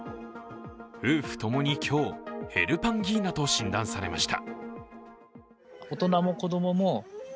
夫婦ともに今日、ヘルパンギーナと診断されました。